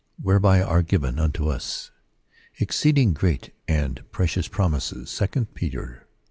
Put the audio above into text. "Whereby are given unto us exceeding great and pre cious promises." — 2 Peter i.